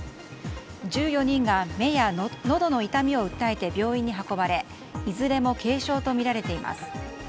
１４人が目やのどの痛みを訴えて病院に運ばれいずれも軽症とみられています。